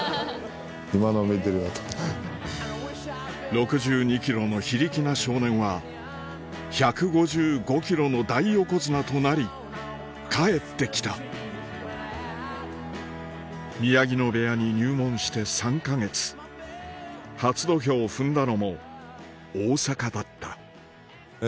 ６２ｋｇの非力な少年は１５５ｋｇの大横綱となり帰ってきた宮城野部屋に入門して３か月初土俵を踏んだのも大阪だったえ